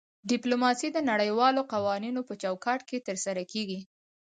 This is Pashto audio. ډیپلوماسي د نړیوالو قوانینو په چوکاټ کې ترسره کیږي